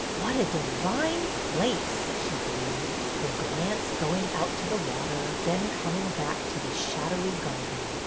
What a divine place !'' she breathed, her glance going out to the water, then coming back to the shadowy garden.